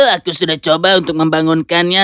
aku sudah coba untuk membangunkannya